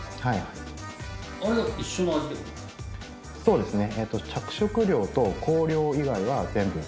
そうですね。